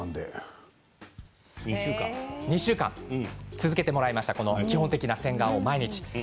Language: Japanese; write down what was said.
続けてもらいました基本的な洗顔を毎日。